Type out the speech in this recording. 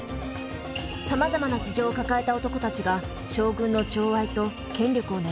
さまざまな事情を抱えた男たちが将軍の寵愛と権力を狙います。